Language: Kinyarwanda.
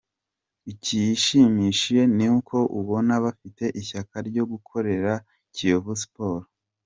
Igishimishije ni uko ubona bafite ishyaka ryo gukorera Kiyovu Sports.